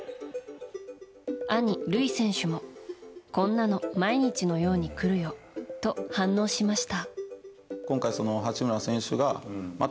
兄・塁選手もこんなの毎日のように来るよと反論しました。